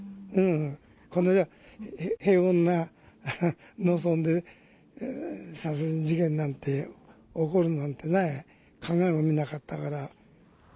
こんな平穏な農村で殺人事件なんて起こるなんてね、考えもみなかったから。